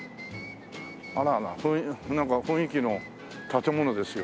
あららなんか雰囲気の建物ですよ。